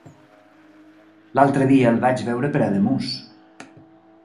L'altre dia el vaig veure per Ademús.